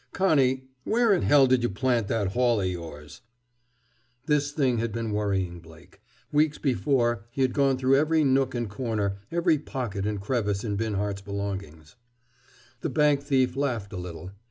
"Connie, where in hell did you plant that haul o' yours?" This thing had been worrying Blake. Weeks before he had gone through every nook and corner, every pocket and crevice in Binhart's belongings. The bank thief laughed a little.